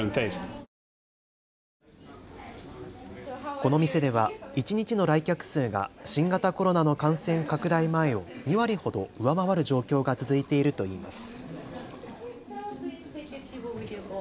この店では一日の来客数が新型コロナの感染拡大前を２割ほど上回る状況が続いているといいます。